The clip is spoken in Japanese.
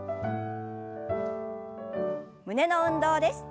胸の運動です。